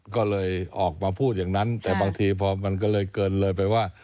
ก็เลยออกมาพูดอย่างนั้นแต่บางทีพอมันก็เลยเกินเลยไปว่า